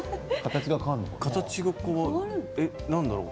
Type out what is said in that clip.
形が、何だろう。